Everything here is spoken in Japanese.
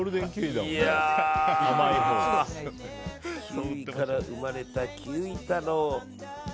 キウイから生まれたキウイ太郎。